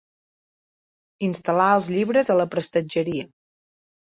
Instal·lar els llibres a la prestatgeria.